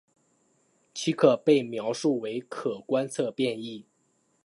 其可被描述为可观测变异。